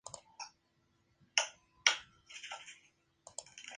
Gómez de Alvarado dispuso sus tropas para el combate.